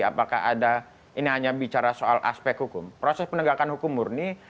apakah ada ini hanya bicara soal aspek hukum proses penegakan hukum murni